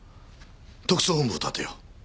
特捜本部を立てよう。